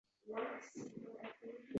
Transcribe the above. Tiyokoga eri gapirayotgandek tuyuldi